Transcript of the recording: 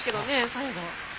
最後。